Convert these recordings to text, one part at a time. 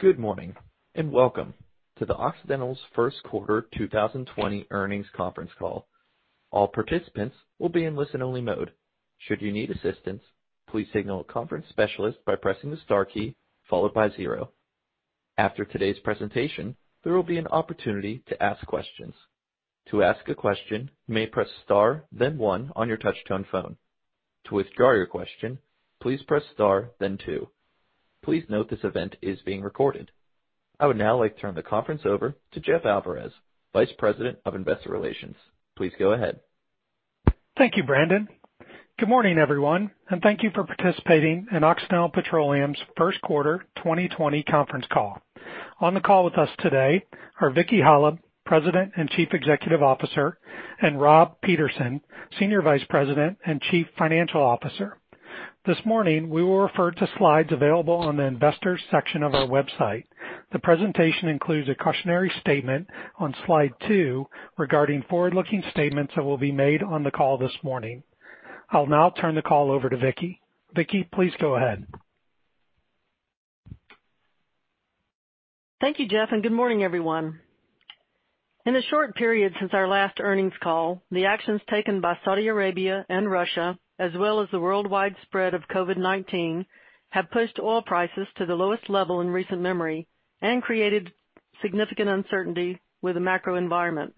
Good morning, welcome to Occidental's first quarter 2020 earnings conference call. All participants will be in listen-only mode. Should you need assistance, please signal a conference specialist by pressing the star key followed by zero. After today's presentation, there will be an opportunity to ask questions. To ask a question, you may press star then one on your touch-tone phone. To withdraw your question, please press star then two. Please note this event is being recorded. I would now like to turn the conference over to Jeff Alvarez, Vice President of Investor Relations. Please go ahead. Thank you, Brandon. Good morning, everyone, and thank you for participating in Occidental Petroleum's first quarter 2020 conference call. On the call with us today are Vicki Hollub, President and Chief Executive Officer, and Rob Peterson, Senior Vice President and Chief Financial Officer. This morning, we will refer to slides available on the investors section of our website. The presentation includes a cautionary statement on slide two regarding forward-looking statements that will be made on the call this morning. I'll now turn the call over to Vicki. Vicki, please go ahead. Thank you, Jeff. Good morning, everyone. In the short period since our last earnings call, the actions taken by Saudi Arabia and Russia, as well as the worldwide spread of COVID-19, have pushed oil prices to the lowest level in recent memory and created significant uncertainty with the macro environment.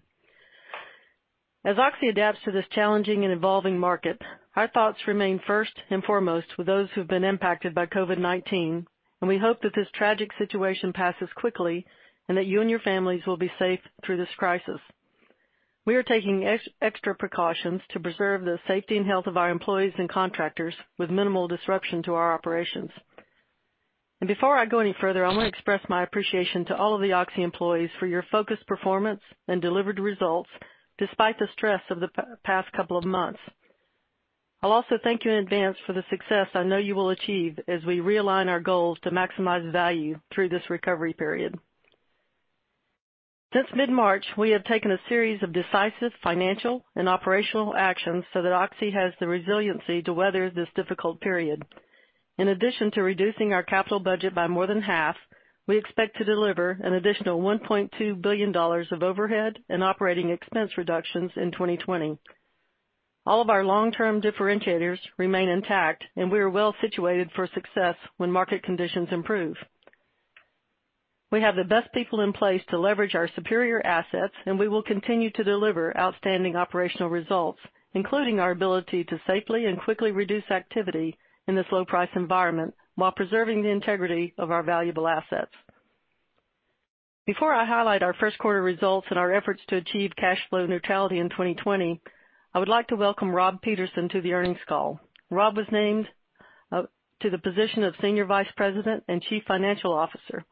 As Oxy adapts to this challenging and evolving market, our thoughts remain first and foremost with those who've been impacted by COVID-19, and we hope that this tragic situation passes quickly and that you and your families will be safe through this crisis. We are taking extra precautions to preserve the safety and health of our employees and contractors with minimal disruption to our operations. Before I go any further, I want to express my appreciation to all of the Oxy employees for your focused performance and delivered results despite the stress of the past couple of months. I'll also thank you in advance for the success I know you will achieve as we realign our goals to maximize value through this recovery period. Since mid-March, we have taken a series of decisive financial and operational actions so that Oxy has the resiliency to weather this difficult period. In addition to reducing our capital budget by more than half, we expect to deliver an additional $1.2 billion of overhead and operating expense reductions in 2020. All of our long-term differentiators remain intact, and we are well situated for success when market conditions improve. We have the best people in place to leverage our superior assets, and we will continue to deliver outstanding operational results, including our ability to safely and quickly reduce activity in this low-price environment while preserving the integrity of our valuable assets. Before I highlight our first quarter results and our efforts to achieve cash flow neutrality in 2020, I would like to welcome Rob Peterson to the earnings call. Rob was named to the position of Senior Vice President and Chief Financial Officer.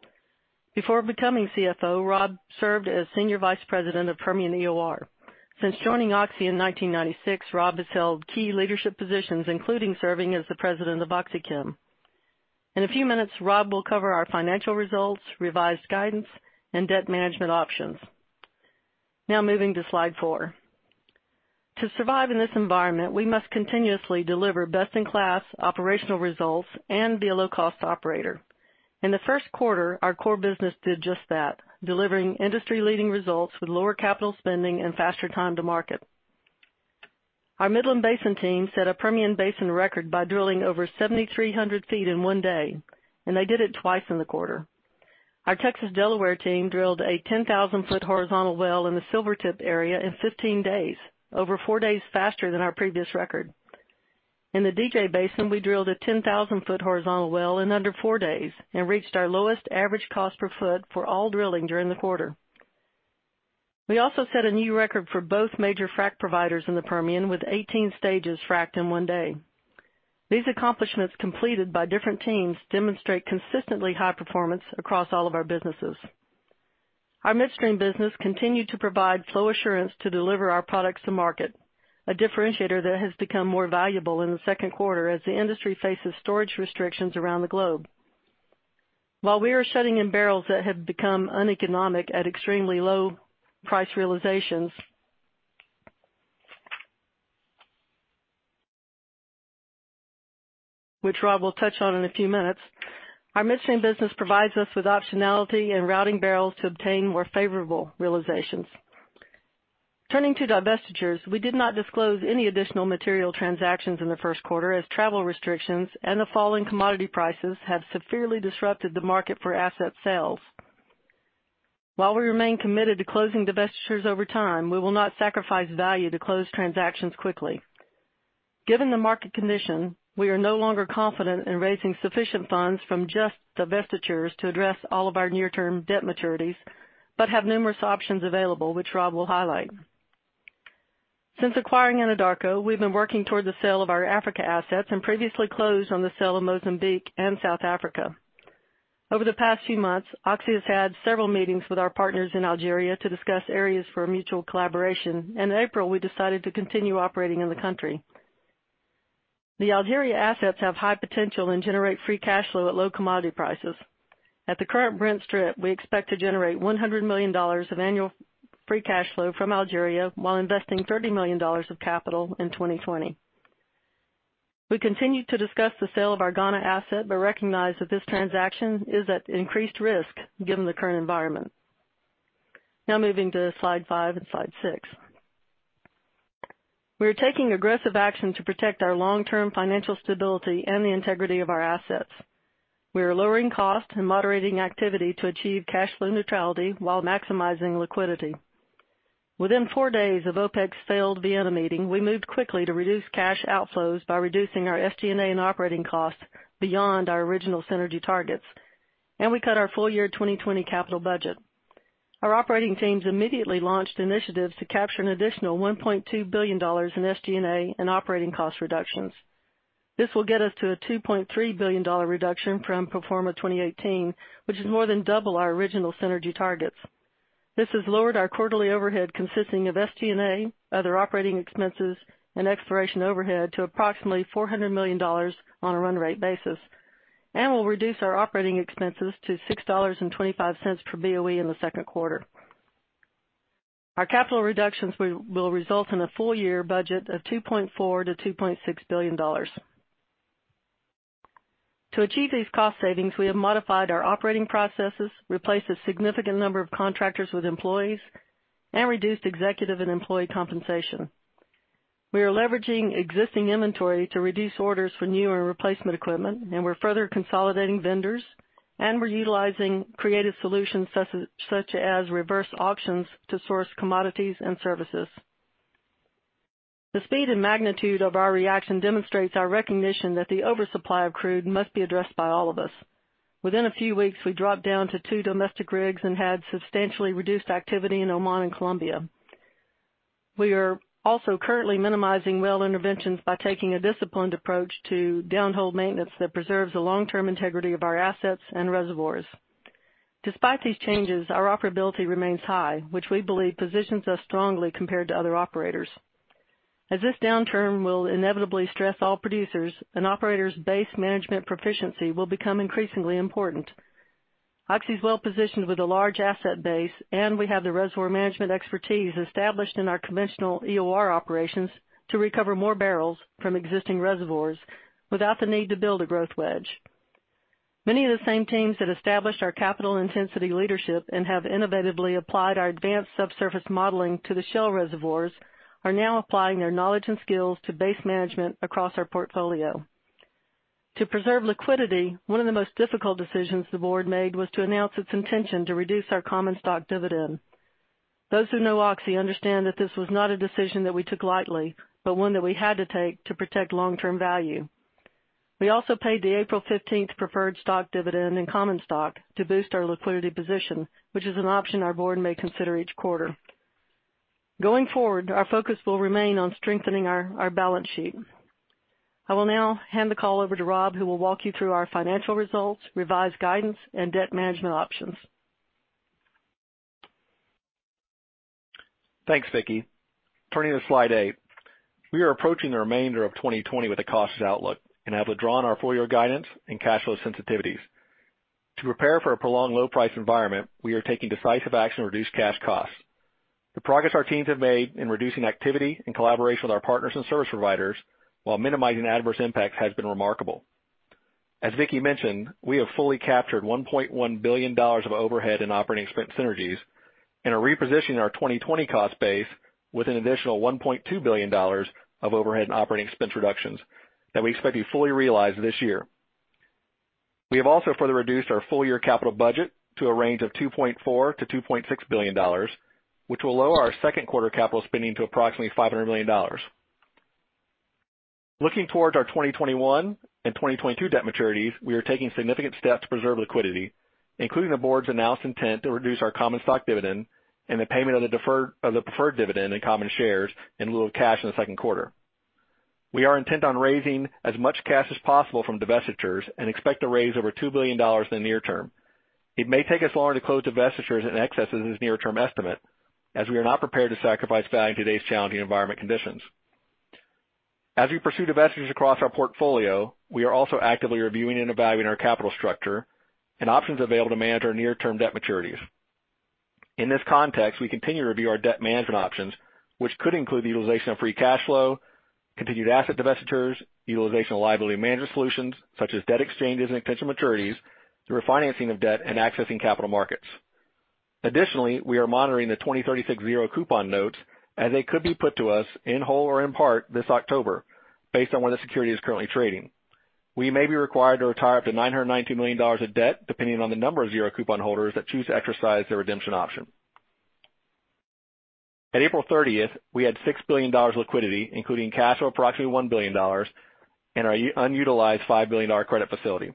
Before becoming CFO, Rob served as Senior Vice President of Permian EOR. Since joining Oxy in 1996, Rob has held key leadership positions, including serving as the President of OxyChem. In a few minutes, Rob will cover our financial results, revised guidance, and debt management options. Moving to slide four. To survive in this environment, we must continuously deliver best-in-class operational results and be a low-cost operator. In the first quarter, our core business did just that, delivering industry-leading results with lower capital spending and faster time to market. Our Midland Basin team set a Permian Basin record by drilling over 7,300 feet in one day, and they did it twice in the quarter. Our Texas Delaware team drilled a 10,000-foot horizontal well in the Silvertip area in 15 days, over four days faster than our previous record. In the DJ Basin, we drilled a 10,000-foot horizontal well in under four days and reached our lowest average cost per foot for all drilling during the quarter. We also set a new record for both major frack providers in the Permian with 18 stages fracked in one day. These accomplishments completed by different teams demonstrate consistently high performance across all of our businesses. Our midstream business continued to provide flow assurance to deliver our products to market, a differentiator that has become more valuable in the second quarter as the industry faces storage restrictions around the globe. While we are shutting in barrels that have become uneconomic at extremely low-price realizations, which Rob will touch on in a few minutes, our midstream business provides us with optionality in routing barrels to obtain more favorable realizations. Turning to divestitures, we did not disclose any additional material transactions in the first quarter as travel restrictions and the fall in commodity prices have severely disrupted the market for asset sales. While we remain committed to closing divestitures over time, we will not sacrifice value to close transactions quickly. Given the market condition, we are no longer confident in raising sufficient funds from just divestitures to address all of our near-term debt maturities, but have numerous options available, which Rob will highlight. Since acquiring Anadarko, we've been working toward the sale of our Africa assets and previously closed on the sale of Mozambique and South Africa. Over the past few months, Oxy has had several meetings with our partners in Algeria to discuss areas for mutual collaboration, and in April, we decided to continue operating in the country. The Algeria assets have high potential and generate free cash flow at low commodity prices. At the current Brent strip, we expect to generate $100 million of annual free cash flow from Algeria while investing $30 million of capital in 2020. We continue to discuss the sale of our Ghana asset but recognize that this transaction is at increased risk given the current environment. Now moving to slide five and slide six. We are taking aggressive action to protect our long-term financial stability and the integrity of our assets. We are lowering cost and moderating activity to achieve cash flow neutrality while maximizing liquidity. Within four days of OPEC's failed Vienna meeting, we moved quickly to reduce cash outflows by reducing our SG&A and operating costs beyond our original synergy targets, and we cut our full year 2020 capital budget. Our operating teams immediately launched initiatives to capture an additional $1.2 billion in SG&A and operating cost reductions. This will get us to a $2.3 billion reduction from pro forma 2018, which is more than double our original synergy targets. This has lowered our quarterly overhead, consisting of SG&A, other operating expenses, and exploration overhead, to approximately $400 million on a run rate basis, and will reduce our operating expenses to $6.25 per BOE in the second quarter. Our capital reductions will result in a full year budget of $2.4 billion-$2.6 billion. To achieve these cost savings, we have modified our operating processes, replaced a significant number of contractors with employees, and reduced executive and employee compensation. We are leveraging existing inventory to reduce orders for new and replacement equipment, and we're further consolidating vendors, and we're utilizing creative solutions such as reverse auctions to source commodities and services. The speed and magnitude of our reaction demonstrates our recognition that the oversupply of crude must be addressed by all of us. Within a few weeks, we dropped down to two domestic rigs and had substantially reduced activity in Oman and Colombia. We are also currently minimizing well interventions by taking a disciplined approach to downhole maintenance that preserves the long-term integrity of our assets and reservoirs. Despite these changes, our operability remains high, which we believe positions us strongly compared to other operators. As this downturn will inevitably stress all producers, an operator's base management proficiency will become increasingly important. Oxy's well positioned with a large asset base, and we have the reservoir management expertise established in our conventional EOR operations to recover more barrels from existing reservoirs without the need to build a growth wedge. Many of the same teams that established our capital intensity leadership and have innovatively applied our advanced subsurface modeling to the shale reservoirs are now applying their knowledge and skills to base management across our portfolio. To preserve liquidity, one of the most difficult decisions the board made was to announce its intention to reduce our common stock dividend. Those who know Oxy understand that this was not a decision that we took lightly, but one that we had to take to protect long-term value. We also paid the April 15th preferred stock dividend in common stock to boost our liquidity position, which is an option our board may consider each quarter. Going forward, our focus will remain on strengthening our balance sheet. I will now hand the call over to Rob, who will walk you through our financial results, revised guidance, and debt management options. Thanks, Vicki. Turning to slide eight. We are approaching the remainder of 2020 with a cautious outlook and have withdrawn our full year guidance and cash flow sensitivities. To prepare for a prolonged low price environment, we are taking decisive action to reduce cash costs. The progress our teams have made in reducing activity in collaboration with our partners and service providers while minimizing adverse impacts has been remarkable. As Vicki mentioned, we have fully captured $1.1 billion of overhead and operating expense synergies and are repositioning our 2020 cost base with an additional $1.2 billion of overhead and operating expense reductions that we expect to be fully realized this year. We have also further reduced our full year capital budget to a range of $2.4 billion-$2.6 billion, which will lower our second quarter capital spending to approximately $500 million. Looking towards our 2021 and 2022 debt maturities, we are taking significant steps to preserve liquidity, including the board's announced intent to reduce our common stock dividend and the payment of the preferred dividend in common shares in lieu of cash in the second quarter. We are intent on raising as much cash as possible from divestitures and expect to raise over $2 billion in the near term. It may take us longer to close divestitures in excess of this near-term estimate, as we are not prepared to sacrifice value in today's challenging environment conditions. As we pursue divestitures across our portfolio, we are also actively reviewing and evaluating our capital structure and options available to manage our near-term debt maturities. In this context, we continue to review our debt management options, which could include the utilization of free cash flow, continued asset divestitures, utilization of liability management solutions such as debt exchanges and potential maturities through refinancing of debt and accessing capital markets. Additionally, we are monitoring the 2036 zero coupon notes as they could be put to us in whole or in part this October based on where the security is currently trading. We may be required to retire up to $990 million of debt depending on the number of zero coupon holders that choose to exercise their redemption option. At April 30th, we had $6 billion liquidity, including cash of approximately $1 billion and our unutilized $5 billion credit facility.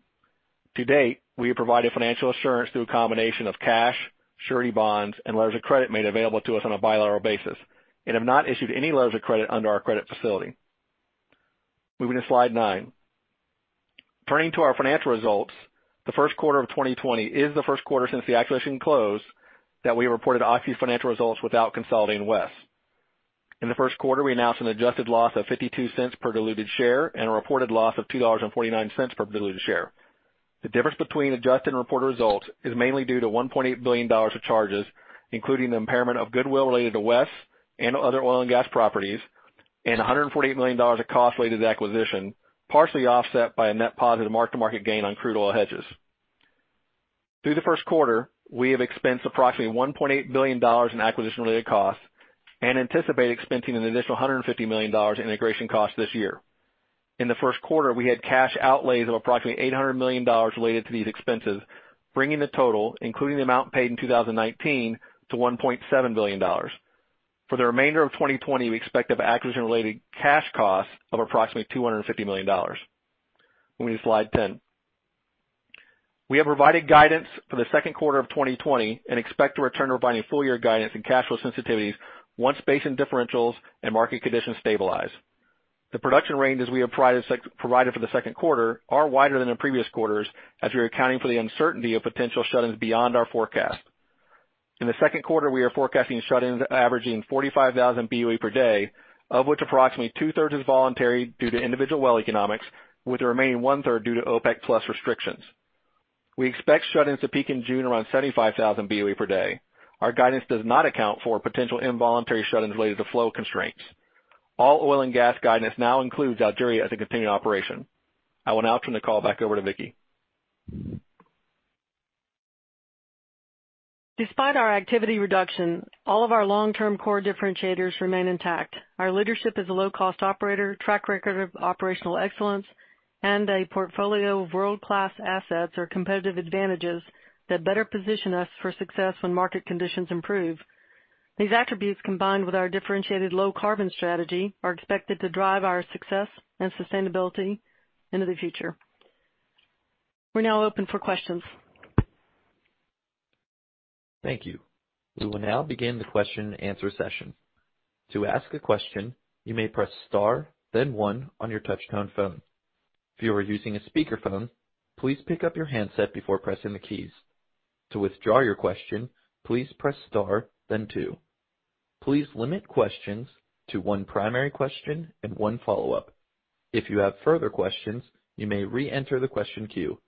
To date, we have provided financial assurance through a combination of cash, surety bonds, and letters of credit made available to us on a bilateral basis and have not issued any letters of credit under our credit facility. Moving to slide nine. Turning to our financial results, the first quarter of 2020 is the first quarter since the acquisition closed that we reported Oxy's financial results without consolidating WES. In the first quarter, we announced an adjusted loss of $0.52 per diluted share and a reported loss of $2.49 per diluted share. The difference between adjusted and reported results is mainly due to $1.8 billion of charges, including the impairment of goodwill related to WES and other oil and gas properties, and $148 million of costs related to the acquisition, partially offset by a net positive mark-to-market gain on crude oil hedges. Through the first quarter, we have expensed approximately $1.8 billion in acquisition-related costs and anticipate expensing an additional $150 million in integration costs this year. In the first quarter, we had cash outlays of approximately $800 million related to these expenses, bringing the total, including the amount paid in 2019, to $1.7 billion. For the remainder of 2020, we expect acquisition-related cash costs of approximately $250 million. Moving to slide 10. We have provided guidance for the second quarter of 2020 and expect to return to providing full-year guidance and cash flow sensitivities once basin differentials and market conditions stabilize. The production ranges we have provided for the second quarter are wider than in previous quarters, as we are accounting for the uncertainty of potential shut-ins beyond our forecast. In the second quarter, we are forecasting shut-ins averaging 45,000 BOE per day, of which approximately 2/3 is voluntary due to individual well economics, with the remaining 1/3 due to OPEC Plus restrictions. We expect shut-ins to peak in June around 75,000 BOE per day. Our guidance does not account for potential involuntary shut-ins related to flow constraints. All oil and gas guidance now includes Algeria as a continuing operation. I will now turn the call back over to Vicki. Despite our activity reduction, all of our long-term core differentiators remain intact. Our leadership as a low-cost operator, track record of operational excellence, and a portfolio of world-class assets are competitive advantages that better position us for success when market conditions improve. These attributes, combined with our differentiated low-carbon strategy, are expected to drive our success and sustainability into the future. We're now open for questions. Thank you. We will now begin the question-and-answer session. To ask a question, you may press star then one on your touchtone phone. If you are using a speakerphone, please pick up your handset before pressing the keys. To withdraw your question, please press star then two. Please limit questions to one primary question and one follow-up. If you have further questions, you may reenter the question queue.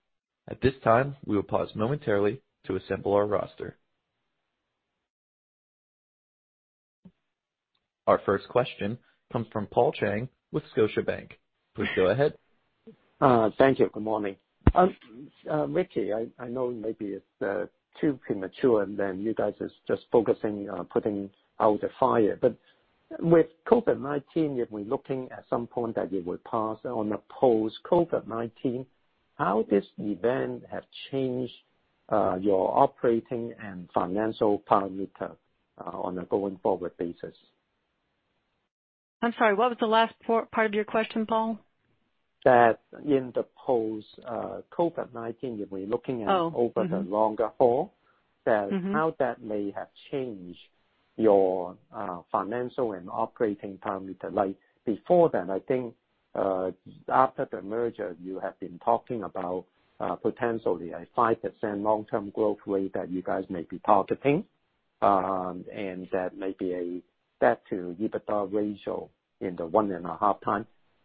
At this time, we will pause momentarily to assemble our roster. Our first question comes from Paul Cheng with Scotiabank. Please go ahead. Thank you. Good morning. Vicki, I know maybe it's too premature, and you guys are just focusing on putting out the fire, but with COVID-19, if we're looking at some point that it will pass. On a post-COVID-19, how this event have changed your operating and financial parameter on a going forward basis? I'm sorry, what was the last part of your question, Paul? That in the post-COVID-19, if we're looking at over the longer haul, how that may have changed your financial and operating parameter. Before then, I think after the merger, you have been talking about potentially a 5% long-term growth rate that you guys may be targeting, and that may be a debt to EBITDA ratio in the 1.5x.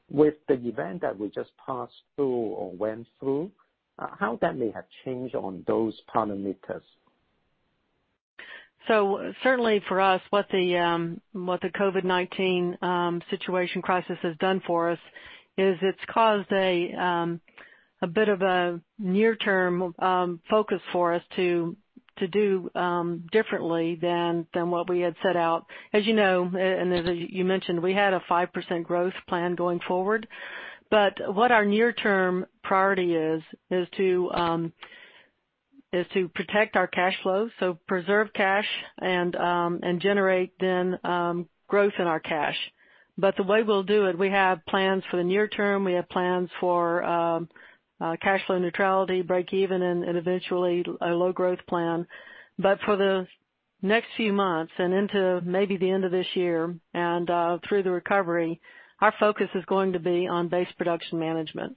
With the event that we just passed through or went through, how that may have changed on those parameters? Certainly, for us, what the COVID-19 situation crisis has done for us is it's caused a bit of a near-term focus for us to do differently than what we had set out. As you know, and as you mentioned, we had a 5% growth plan going forward. What our near-term priority is to protect our cash flow, so preserve cash and generate then growth in our cash. The way we'll do it, we have plans for the near term, we have plans for cash flow neutrality, break even, and eventually, a low growth plan. For the next few months and into maybe the end of this year and through the recovery, our focus is going to be on base production management.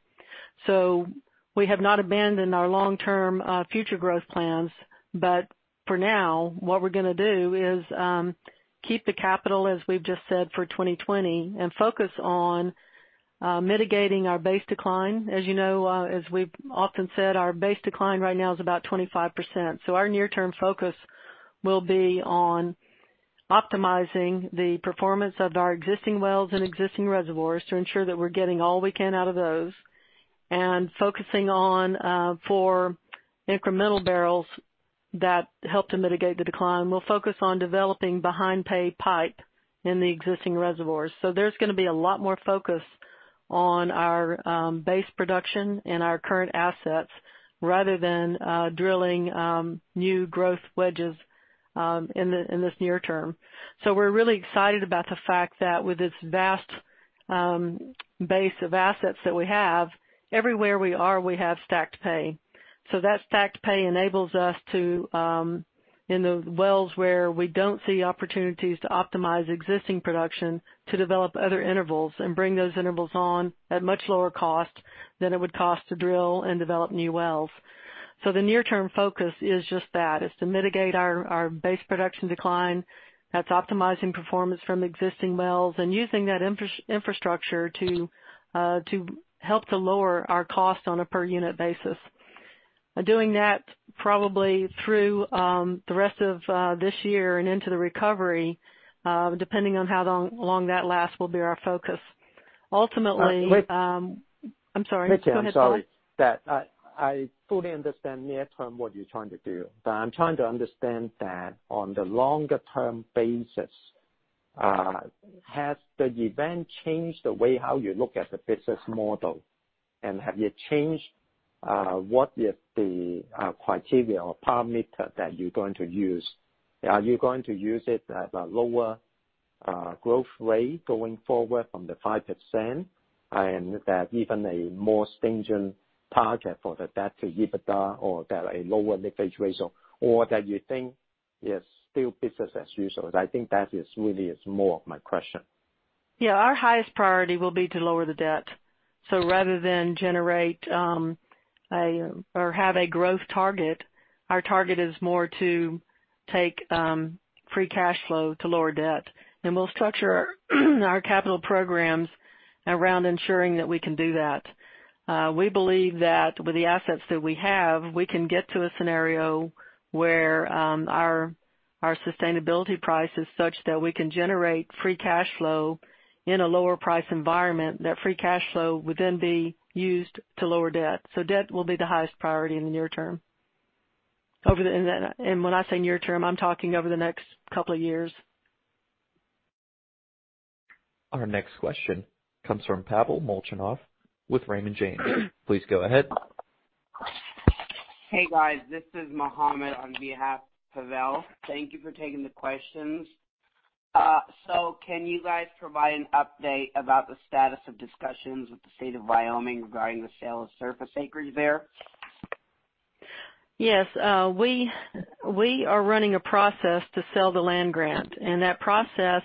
We have not abandoned our long-term future growth plans, but for now, what we're going to do is keep the capital, as we've just said, for 2020 and focus on mitigating our base decline. You know, as we've often said, our base decline right now is about 25%. Our near-term focus will be on optimizing the performance of our existing wells and existing reservoirs to ensure that we're getting all we can out of those and focusing on for incremental barrels that help to mitigate the decline. We'll focus on developing behind paid pipe in the existing reservoirs. There's going to be a lot more focus on our base production and our current assets rather than drilling new growth wedges in this near term. We're really excited about the fact that with this vast base of assets that we have, everywhere we are, we have stacked pay. That stacked pay enables us to, in the wells where we don't see opportunities to optimize existing production, to develop other intervals and bring those intervals on at much lower cost than it would cost to drill and develop new wells. The near-term focus is just that, is to mitigate our base production decline. That's optimizing performance from existing wells and using that infrastructure to help to lower our cost on a per unit basis. Doing that probably through the rest of this year and into the recovery, depending on how long that lasts, will be our focus. [Vicki], I'm sorry. I fully understand near-term what you're trying to do, but I'm trying to understand that on the longer-term basis, has the event changed the way how you look at the business model, and have you changed what is the criteria or parameter that you're going to use? Are you going to use it at a lower growth rate going forward from the 5% and that even a more stringent target for the debt to EBITDA or that a lower leverage ratio or that you think it's still business as usual? I think that is really is more of my question. Yeah, our highest priority will be to lower the debt. Rather than generate or have a growth target, our target is more to take free cash flow to lower debt. We'll structure our capital programs around ensuring that we can do that. We believe that with the assets that we have, we can get to a scenario where our sustainability price is such that we can generate free cash flow in a lower price environment. That free cash flow would then be used to lower debt. Debt will be the highest priority in the near term. When I say near term, I'm talking over the next couple of years. Our next question comes from Pavel Molchanov with Raymond James. Please go ahead. Hey, guys. This is Muhammad on behalf Pavel. Thank you for taking the questions. Can you guys provide an update about the status of discussions with the state of Wyoming regarding the sale of surface acreage there? Yes. We are running a process to sell the land grant, and that process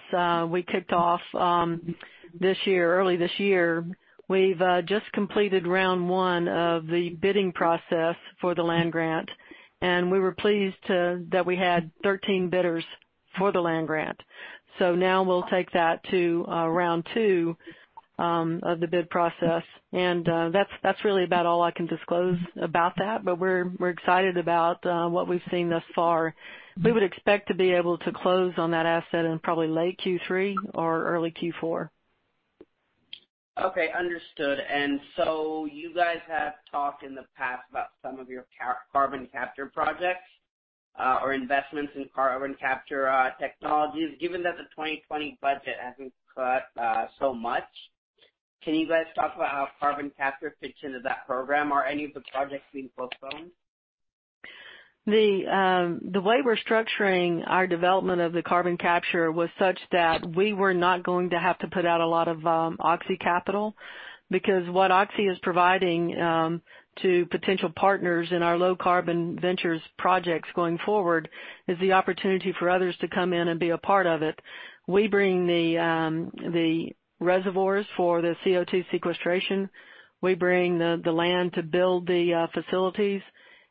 we kicked off early this year. We've just completed Round 1 of the bidding process for the land grant, and we were pleased that we had 13 bidders for the land grant. Now we'll take that to Round 2 of the bid process, and that's really about all I can disclose about that. We're excited about what we've seen thus far. We would expect to be able to close on that asset in probably late Q3 or early Q4. Okay, understood. You guys have talked in the past about some of your carbon capture projects or investments in carbon capture technologies. Given that the 2020 budget hasn't cut so much, can you guys talk about how carbon capture fits into that program? Are any of the projects being postponed? The way we're structuring our development of the carbon capture was such that we were not going to have to put out a lot of Oxy capital, because what Oxy is providing to potential partners in our low carbon ventures projects going forward is the opportunity for others to come in and be a part of it. We bring the reservoirs for the CO2 sequestration, we bring the land to build the facilities,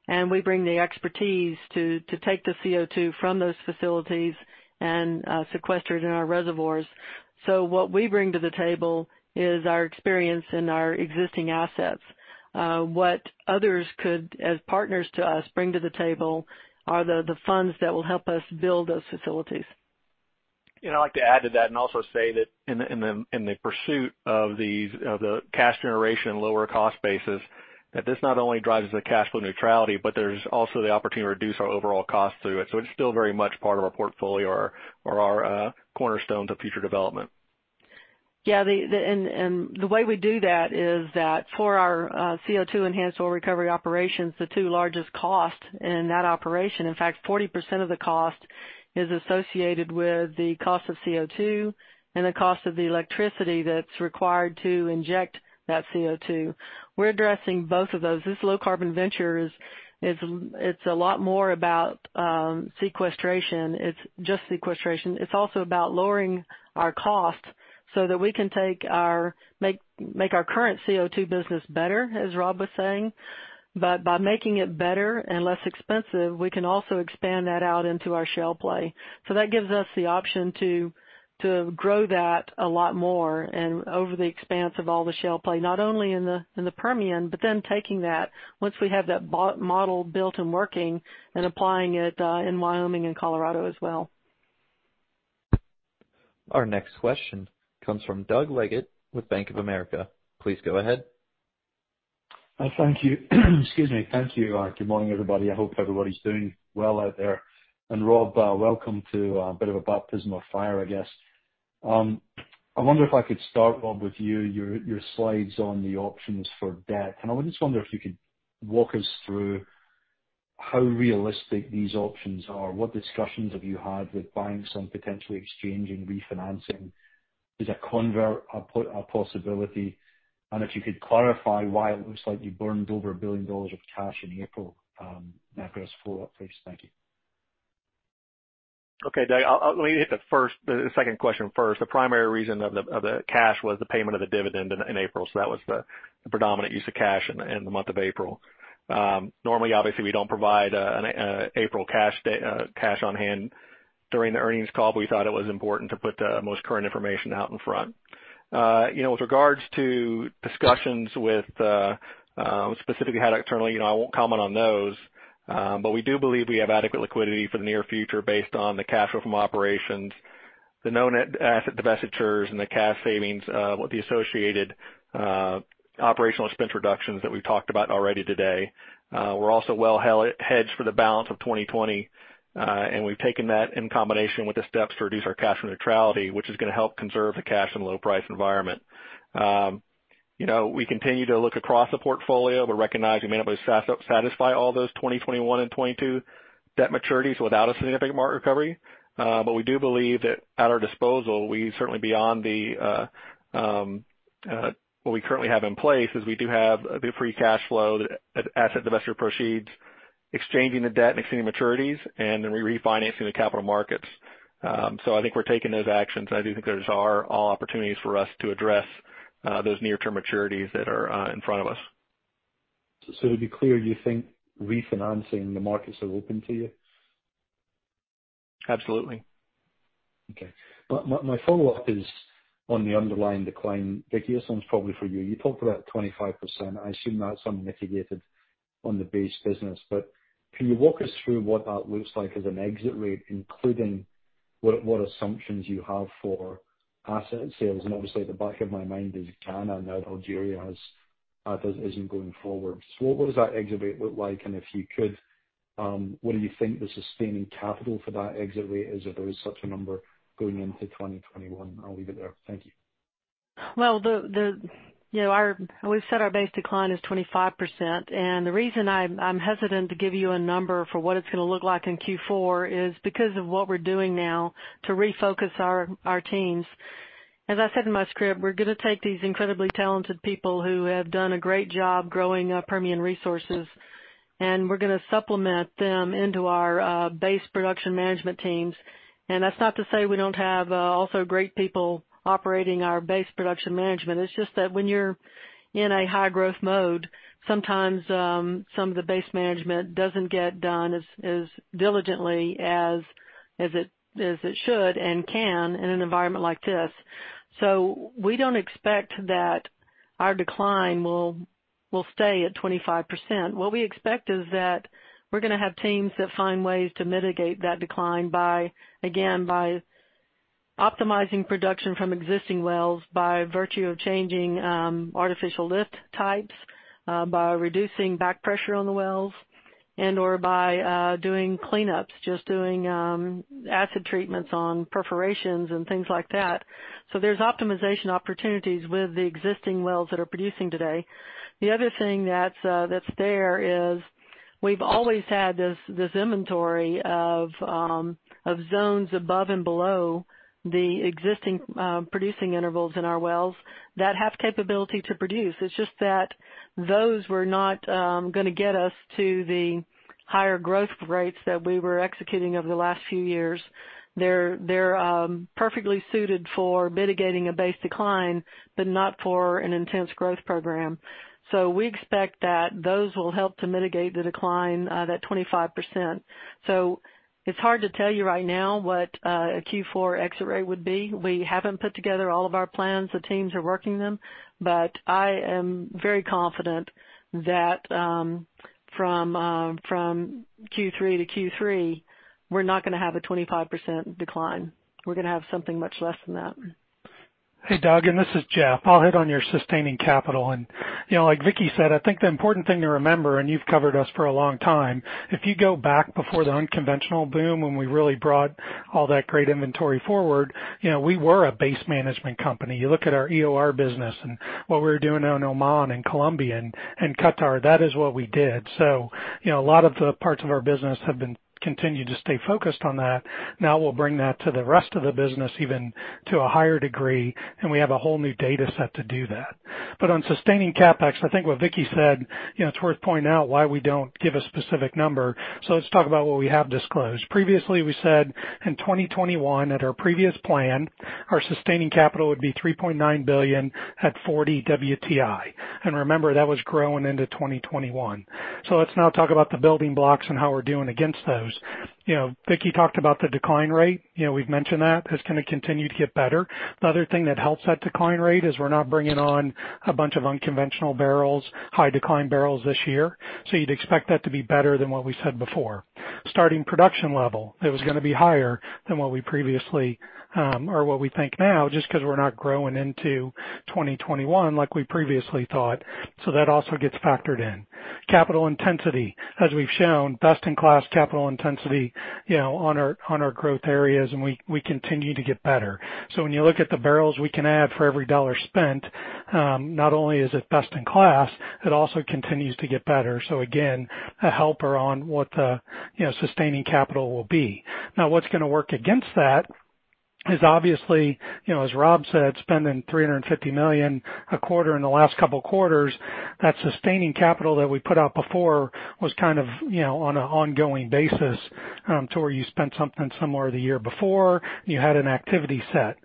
and we bring the expertise to take the CO2 from those facilities and sequester it in our reservoirs. What we bring to the table is our experience and our existing assets. What others could, as partners to us, bring to the table are the funds that will help us build those facilities. I'd like to add to that and also say that in the pursuit of the cash generation lower cost basis, that this not only drives the cash flow neutrality, but there's also the opportunity to reduce our overall cost through it. It's still very much part of our portfolio or our cornerstone to future development. Yeah. The way we do that is that for our CO2 enhanced oil recovery operations, the two largest costs in that operation, in fact, 40% of the cost is associated with the cost of CO2 and the cost of the electricity that's required to inject that CO2. We're addressing both of those. This low-carbon venture it's a lot more about sequestration. It's just sequestration. It's also about lowering our cost so that we can make our current CO2 business better, as Rob was saying. By making it better and less expensive, we can also expand that out into our shale play. That gives us the option to grow that a lot more and over the expanse of all the shale play, not only in the Permian, but then taking that once we have that model built and working and applying it in Wyoming and Colorado as well. Our next question comes from Doug Leggate with Bank of America. Please go ahead. Thank you. Excuse me. Thank you. Good morning, everybody. I hope everybody's doing well out there. Rob, welcome to a bit of a baptism of fire, I guess. I wonder if I could start, Rob, with you, your slides on the options for debt. I would just wonder if you could walk us through how realistic these options are. What discussions have you had with banks on potentially exchanging refinancing? Is a convert a possibility? If you could clarify why it looks like you burned over $1 billion of cash in April, that goes for Operation Stage. Okay, Doug, let me hit the second question first. The primary reason of the cash was the payment of the dividend in April, so that was the predominant use of cash in the month of April. Normally, obviously, we don't provide an April cash on hand during the earnings call, but we thought it was important to put the most current information out in front. With regards to discussions with, specifically had externally, I won't comment on those. We do believe we have adequate liquidity for the near future based on the cash flow from operations, the known asset divestitures, and the cash savings with the associated operational expense reductions that we've talked about already today. We're also well hedged for the balance of 2020. We've taken that in combination with the steps to reduce our cash neutrality, which is going to help conserve the cash in a low-price environment. We continue to look across the portfolio but recognize we may not be able to satisfy all those 2021 and 2022 debt maturities without a significant market recovery. We do believe that at our disposal, we certainly beyond what we currently have in place, is we do have a bit of free cash flow, asset divesture proceeds, exchanging the debt and extending maturities, and then refinancing the capital markets. I think we're taking those actions, and I do think those are all opportunities for us to address those near-term maturities that are in front of us. To be clear, you think refinancing the markets are open to you? Absolutely. Okay. My follow-up is on the underlying decline. Vicki, this one's probably for you. You talked about 25%. I assume that's unmitigated on the base business, but can you walk us through what that looks like as an exit rate, including what assumptions you have for asset sales? Obviously at the back of my mind is Ghana, now Algeria isn't going forward. What does that exit rate look like? If you could, what do you think the sustaining capital for that exit rate is, if there is such a number going into 2021? I'll leave it there. Thank you. We've said our base decline is 25%, and the reason I'm hesitant to give you a number for what it's going to look like in Q4 is because of what we're doing now to refocus our teams. As I said in my script, we're going to take these incredibly talented people who have done a great job growing up Permian Resources, and we're going to supplement them into our base production management teams. That's not to say we don't have also great people operating our base production management. It's just that when you're in a high growth mode, sometimes some of the base management doesn't get done as diligently as it should and can in an environment like this. We don't expect that our decline will stay at 25%. What we expect is that we're going to have teams that find ways to mitigate that decline by, again, by optimizing production from existing wells, by virtue of changing artificial lift types, by reducing back pressure on the wells and/or by doing cleanups, just doing acid treatments on perforations and things like that. There's optimization opportunities with the existing wells that are producing today. The other thing that's there is we've always had this inventory of zones above and below the existing producing intervals in our wells that have capability to produce. It's just that those were not going to get us to the higher growth rates that we were executing over the last few years. They're perfectly suited for mitigating a base decline, but not for an intense growth program. We expect that those will help to mitigate the decline, that 25%. It's hard to tell you right now what a Q4 exit rate would be. We haven't put together all of our plans. The teams are working them. I am very confident that from Q3 to Q3, we're not going to have a 25% decline. We're going to have something much less than that. Hey, Doug, this is Jeff. I'll hit on your sustaining capital. Like Vicki said, I think the important thing to remember, and you've covered us for a long time, if you go back before the unconventional boom when we really brought all that great inventory forward, we were a base management company. You look at our EOR business and what we were doing out in Oman and Colombia and Qatar, that is what we did. A lot of the parts of our business have continued to stay focused on that. Now we'll bring that to the rest of the business even to a higher degree, and we have a whole new data set to do that. On sustaining CapEx, I think what Vicki said, it's worth pointing out why we don't give a specific number. Let's talk about what we have disclosed. Previously, we said in 2021 at our previous plan, our sustaining capital would be $3.9 billion at [$40] WTI. Remember, that was growing into 2021. Let's now talk about the building blocks and how we're doing against those. Vicki talked about the decline rate. We've mentioned that is going to continue to get better. The other thing that helps that decline rate is we're not bringing on a bunch of unconventional barrels, high decline barrels this year. You'd expect that to be better than what we said before. Starting production level, it was going to be higher than what we previously, or what we think now, just because we're not growing into 2021 like we previously thought. That also gets factored in. Capital intensity, as we've shown, best in class capital intensity on our growth areas, and we continue to get better. When you look at the barrels we can add for every dollar spent, not only is it best in class, it also continues to get better. Again, a helper on what the sustaining capital will be. Now, what's going to work against that is obviously, as Rob said, spending $350 million a quarter in the last couple quarters. That sustaining capital that we put out before was kind of on an ongoing basis to where you spent something similar the year before, you had an activity set.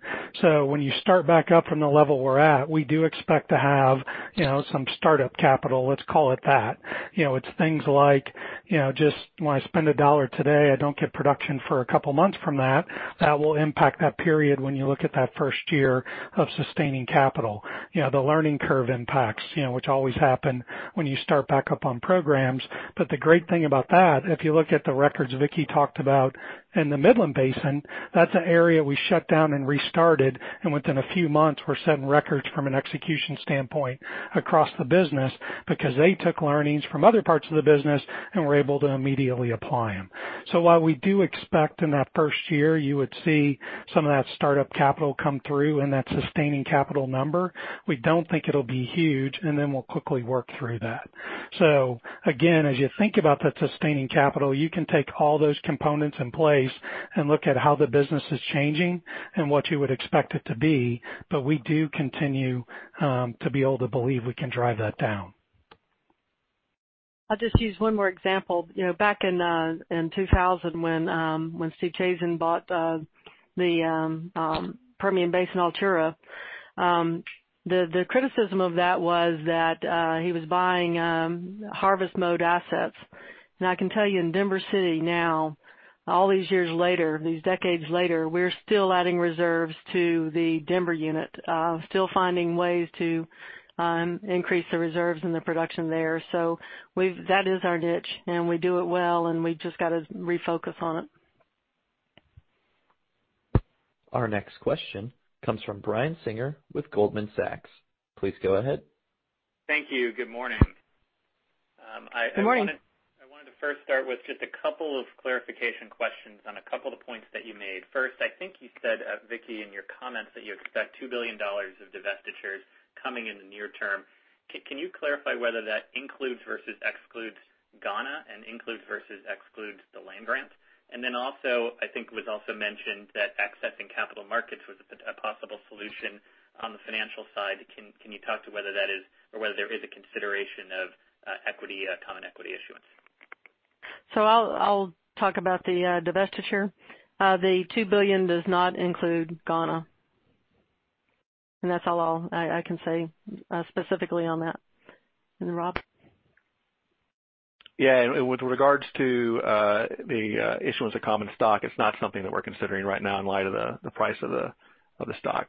When you start back up from the level we're at, we do expect to have some startup capital, let's call it that. It's things like just when I spend a dollar today, I don't get production for a couple months from that. That will impact that period when you look at that first year of sustaining capital. The learning curve impacts, which always happen when you start back up on programs. The great thing about that, if you look at the records Vicki talked about in the Midland Basin, that's an area we shut down and restarted, and within a few months, we're setting records from an execution standpoint across the business because they took learnings from other parts of the business and were able to immediately apply them. While we do expect in that first year, you would see some of that startup capital come through in that sustaining capital number. We don't think it'll be huge, and then we'll quickly work through that. Again, as you think about the sustaining capital, you can take all those components in place and look at how the business is changing and what you would expect it to be. We do continue to be able to believe we can drive that down. I'll just use one more example. Back in 2000 when Steve Chazen bought the Permian Basin Altura, the criticism of that was that he was buying harvest mode assets. Now, I can tell you in Denver City now, all these years later, these decades later, we're still adding reserves to the Denver unit, still finding ways to increase the reserves and the production there. That is our niche, and we do it well, and we've just got to refocus on it. Our next question comes from Brian Singer with Goldman Sachs. Please go ahead. Thank you. Good morning. Good morning. I wanted to first start with just a couple of clarification questions on a couple of points that you made. First, I think you said, Vicki, in your comments that you expect $2 billion of divestitures coming in the near term. Can you clarify whether that includes versus excludes Ghana and includes versus excludes the land grants? Then also, I think it was also mentioned that accessing capital markets was a possible solution on the financial side. Can you talk to whether that is, or whether there is a consideration of common equity issuance? I'll talk about the divestiture. The $2 billion does not include Ghana, and that's all I can say specifically on that. Rob? Yeah. With regards to the issuance of common stock, it's not something that we're considering right now in light of the price of the stock.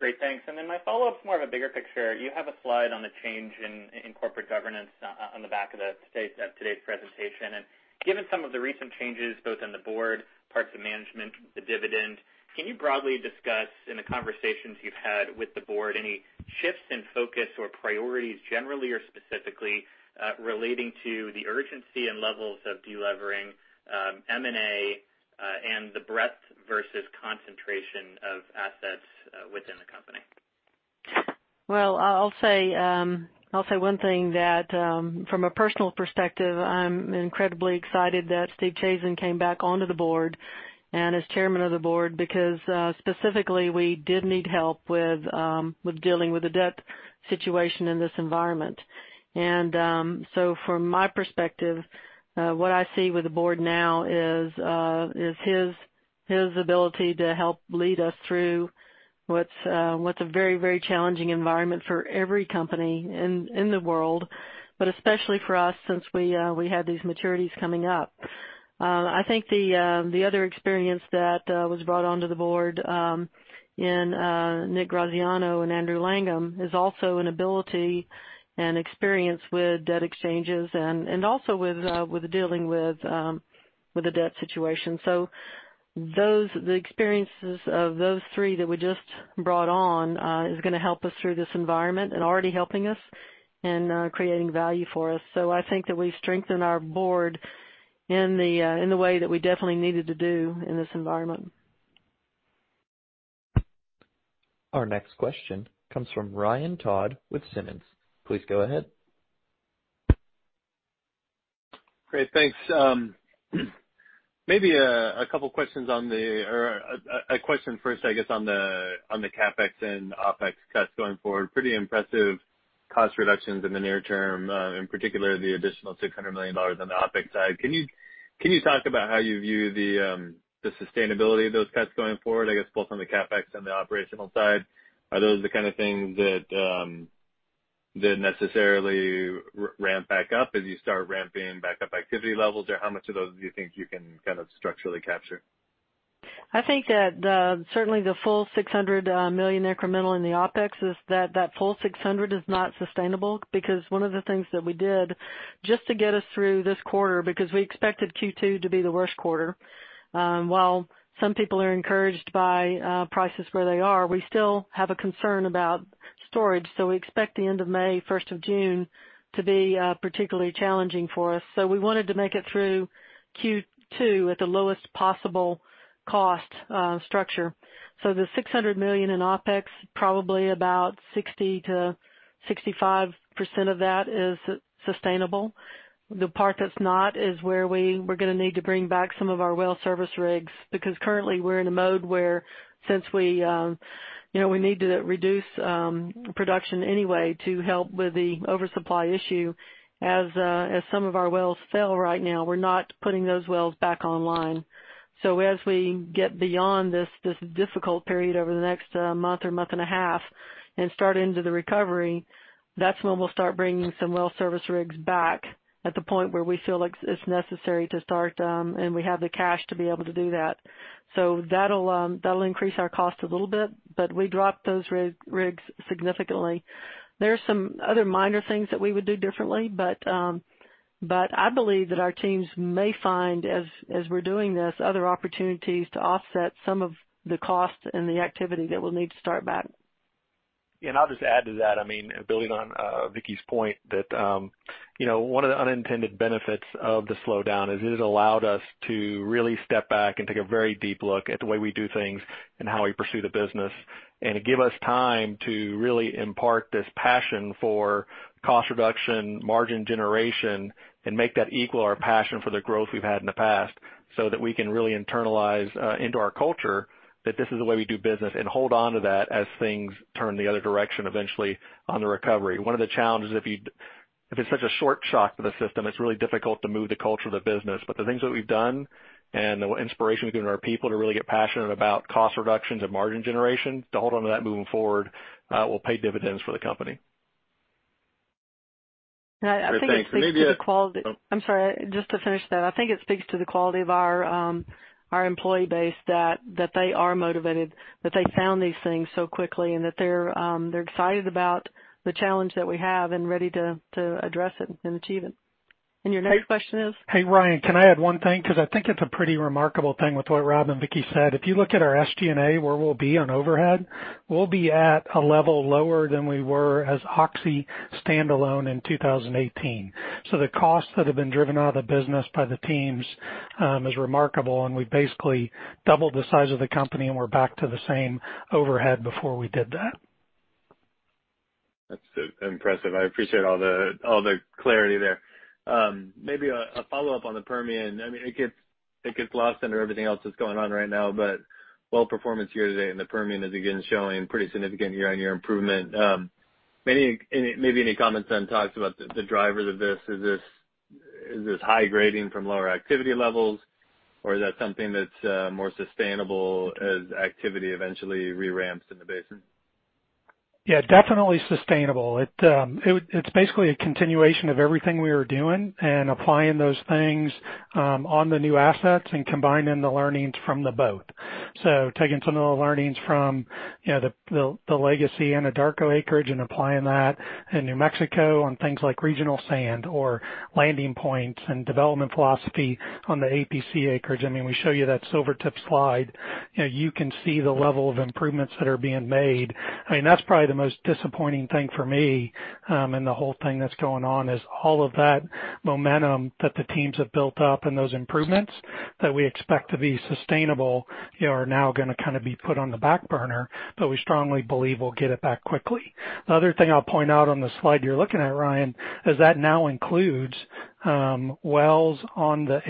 Great. Thanks. My follow-up is more of a bigger picture. You have a slide on the change in corporate governance on the back of today's presentation. Given some of the recent changes, both on the Board, parts of management, the dividend, can you broadly discuss in the conversations you've had with the Board any shifts in focus or priorities, generally or specifically, relating to the urgency and levels of delivering M&A and the breadth versus concentration of assets within the company? Well, I'll say one thing that, from a personal perspective, I'm incredibly excited that Steve Chazen came back onto the board and as chairman of the board, because specifically, we did need help with dealing with the debt situation in this environment. From my perspective, what I see with the board now is his ability to help lead us through what's a very challenging environment for every company in the world, but especially for us since we had these maturities coming up. I think the other experience that was brought onto the board in Nick Graziano and Andrew Langham is also an ability and experience with debt exchanges and also with dealing with the debt situation. The experiences of those three that we just brought on is going to help us through this environment and already helping us and creating value for us. I think that we've strengthened our board in the way that we definitely needed to do in this environment. Our next question comes from Ryan Todd with Simmons. Please go ahead. Great. Thanks. Maybe a question first, I guess, on the CapEx and OpEx cuts going forward. Pretty impressive cost reductions in the near term, in particular, the additional $600 million on the OpEx side. Can you talk about how you view the sustainability of those cuts going forward, I guess both on the CapEx and the operational side? Are those the kind of things that necessarily ramp back up as you start ramping back up activity levels? How much of those do you think you can kind of structurally capture? I think that certainly the full $600 million incremental in the OpEx is that full $600 is not sustainable because one of the things that we did just to get us through this quarter, because we expected Q2 to be the worst quarter. While some people are encouraged by prices where they are, we still have a concern about storage. We expect the end of May, 1st of June to be particularly challenging for us. We wanted to make it through Q2 at the lowest possible cost structure. The $600 million in OpEx, probably about 60%-65% of that is sustainable. The part that's not is where we were going to need to bring back some of our well service rigs, because currently we're in a mode where since we need to reduce production anyway to help with the oversupply issue. As some of our wells sell right now, we're not putting those wells back online. As we get beyond this difficult period over the next month or 1.5 month. And start into the recovery, that's when we'll start bringing some well service rigs back at the point where we feel like it's necessary to start and we have the cash to be able to do that. That'll increase our cost a little bit, but we dropped those rigs significantly. There's some other minor things that we would do differently, but I believe that our teams may find, as we're doing this, other opportunities to offset some of the cost and the activity that we'll need to start back. Yeah. I'll just add to that, building on Vicki's point that one of the unintended benefits of the slowdown is it has allowed us to really step back and take a very deep look at the way we do things and how we pursue the business. Give us time to really impart this passion for cost reduction, margin generation, and make that equal our passion for the growth we've had in the past, so that we can really internalize into our culture that this is the way we do business and hold onto that as things turn the other direction eventually on the recovery. One of the challenges, if it's such a short shock to the system, it's really difficult to move the culture of the business. The things that we've done and the inspiration we've given our people to really get passionate about cost reductions and margin generation, to hold on to that moving forward will pay dividends for the company. Great. Thanks. I'm sorry. Just to finish that, I think it speaks to the quality of our employee base, that they are motivated, that they found these things so quickly, and that they're excited about the challenge that we have and ready to address it and achieve it. Your next question is? Hey, Ryan, can I add one thing? I think it's a pretty remarkable thing with what Rob and Vicki said. If you look at our SG&A, where we'll be on overhead, we'll be at a level lower than we were as Oxy standalone in 2018. The costs that have been driven out of the business by the teams is remarkable. We've basically doubled the size of the company, and we're back to the same overhead before we did that. That's impressive. I appreciate all the clarity there. A follow-up on the Permian. It gets lost under everything else that's going on right now. Well performance year-to-date in the Permian is again showing pretty significant year-on-year improvement. Any comments, talks about the drivers of this. Is this high grading from lower activity levels, or is that something that's more sustainable as activity eventually re-ramps in the basin? Yeah, definitely sustainable. It's basically a continuation of everything we were doing and applying those things on the new assets and combining the learnings from the both. Taking some of the learnings from the legacy Anadarko acreage and applying that in New Mexico on things like regional sand or landing points and development philosophy on the APC acreage. We show you that Silvertip slide. You can see the level of improvements that are being made. That's probably the most disappointing thing for me in the whole thing that's going on, is all of that momentum that the teams have built up and those improvements that we expect to be sustainable are now going to be put on the back burner. We strongly believe we'll get it back quickly. The other thing I'll point out on the slide you're looking at, Ryan, is that now includes wells on the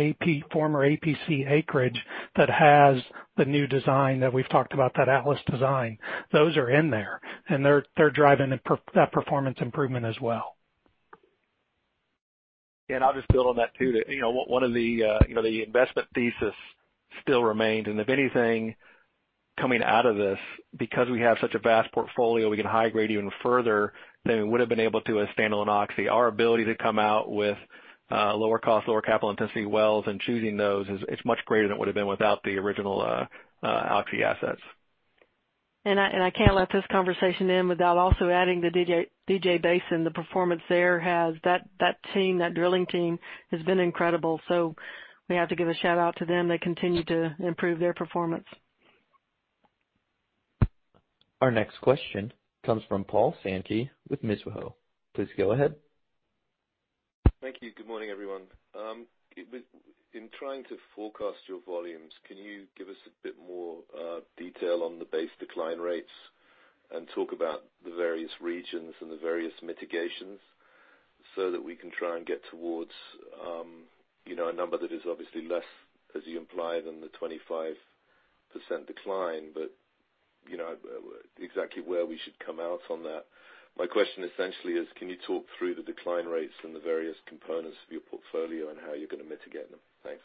former APC acreage that has the new design that we've talked about, that Atlas design. Those are in there, and they're driving that performance improvement as well. I'll just build on that, too. One of the investment thesis still remains, and if anything, coming out of this, because we have such a vast portfolio, we can high-grade even further than we would've been able to as standalone Oxy. Our ability to come out with lower cost, lower capital intensity wells and choosing those is much greater than it would've been without the original Oxy assets. I can't let this conversation end without also adding the DJ Basin. That team, that drilling team has been incredible. We have to give a shout-out to them. They continue to improve their performance. Our next question comes from Paul Sankey with Mizuho. Please go ahead. Thank you. Good morning, everyone. In trying to forecast your volumes, can you give us a bit more detail on the base decline rates and talk about the various regions and the various mitigations so that we can try and get towards a number that is obviously less, as you imply, than the 25% decline, but exactly where we should come out on that. My question essentially is can you talk through the decline rates and the various components of your portfolio and how you're going to mitigate them? Thanks.